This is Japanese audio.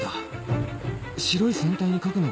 白い船体に書くのが怖い